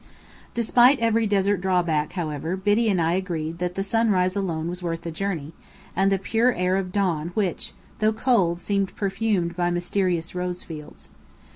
Despite every desert drawback, however, Biddy and I agreed that the sunrise alone was worth the journey, and the pure air of dawn which, though cold, seemed perfumed by mysterious rose fields.